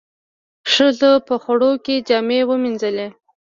ښځو په خوړ کې جامې وينځلې.